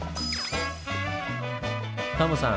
タモさん